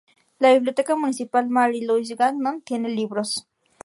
La biblioteca municipal Marie-Louis-Gagnon tiene libros.